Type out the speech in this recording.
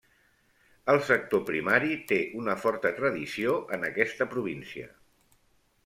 El sector primari té una forta tradició en aquesta província.